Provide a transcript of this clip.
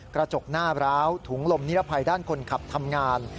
กระจกหน้าร้าวถุงลมนิรภัยด้านคนขับทำงาน